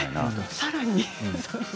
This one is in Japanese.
さらに。